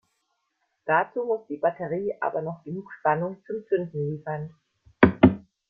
Dazu muss die Batterie aber noch genug Spannung zum Zünden liefern.